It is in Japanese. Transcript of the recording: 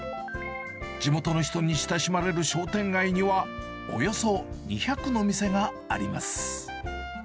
地元の人に親しまれる商店街には、およそ２００の店があります。